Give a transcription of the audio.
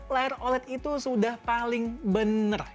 layar oled itu sudah paling benar